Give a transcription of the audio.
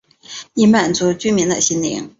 以满足居民的心灵